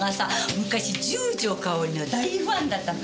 昔十条かおりの大ファンだったの。